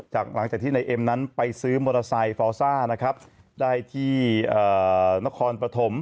หลังจากที่นายเอ็มนั้นไปซื้อมอเตอร์ไซค์ฟอร์ซ่านะครับได้ที่นครปฐม